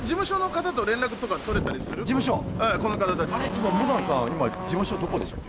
今モダンさん事務所どこでしたっけ？